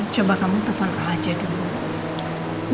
coba kamu telfon ke aj dulu